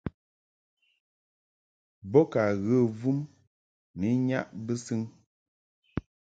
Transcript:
Bo ka ŋgə vum ni nnyaʼ bɨsɨŋ.